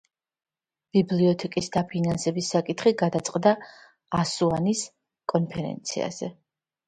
ბიბლიოთეკის დაფინანსების საკითხი გადაწყდა ასუანის კონფერენციაზე.